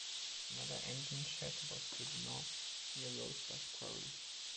Another engine shed was to the north near Rosebush Quarry.